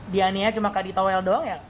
dianiaya cuma kak di toel doang ya